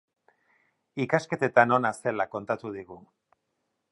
Ikasketetan ona zela kontatu digu.